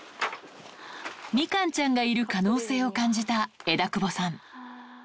みかんちゃんがいる可能性を感じた枝久保さん。